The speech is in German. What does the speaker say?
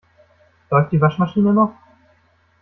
Läuft die Waschmaschine noch?